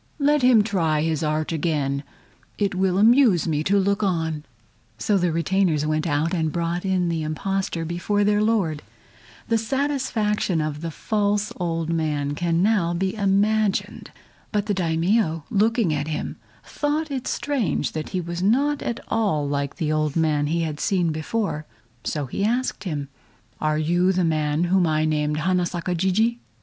Let him try his art again; it will amuse me to look on." So the retainers went out and brought in the impostor before their Lord. The satisfaction of false old man can now be imagined. But the Daimio looking at him, thought it strange that he was not at all like the old man he had seen before, so he asked him: "Are you the man whom I named Hana Saka Jijii?"